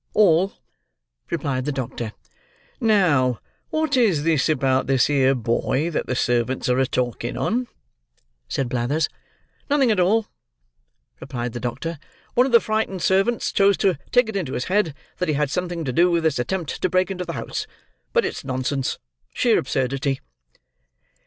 "All," replied the doctor. "Now, what is this, about this here boy that the servants are a talking on?" said Blathers. "Nothing at all," replied the doctor. "One of the frightened servants chose to take it into his head, that he had something to do with this attempt to break into the house; but it's nonsense: sheer absurdity."